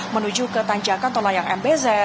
menuju ke tanjakan tol layang mbz